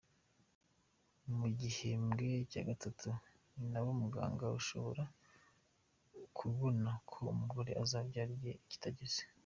Mu gihembwe cya gatatu ninabwo muganga ashobora kubona ko umugore azabyara igihe kitageze.